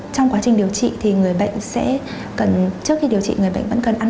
trong quá trình điều trị thì người bệnh sẽ trước khi điều trị người bệnh vẫn cần ăn